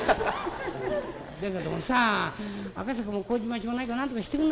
「だけどもさ赤坂も麹町もなんとかしてくんないかね」。